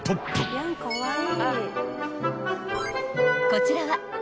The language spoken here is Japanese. ［こちらは］